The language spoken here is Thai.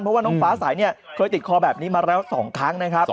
เพราะว่าน้องฟ้าสายเนี่ยเคยติดคอแบบนี้มาแล้ว๒ครั้งนะครับ